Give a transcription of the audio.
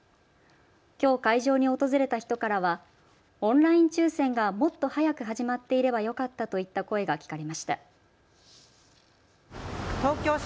きょう会場に訪れた人からはオンライン抽せんがもっと早く始まっていればよかったといった声が聞かれました。